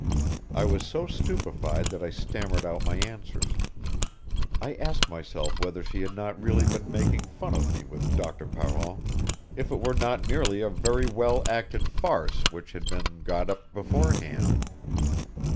I was so stupefied that I stammered out my answers. I asked myself whether she had not really been making fun of me with Doctor Parent, if it were not merely a very well acted farce which had been got up beforehand.